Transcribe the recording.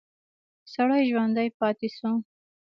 سړی ژوندی پاتې شو.